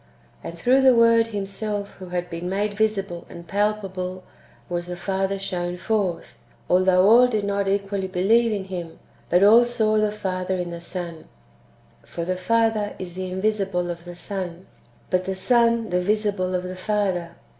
And through the Word Himself who had been made visible and palpable, was the Father shown forth, although all did not equally believe in Him ; but all saw the Father in the Son : for the Father is the invisible of the Son, but the Son the visible of the Father.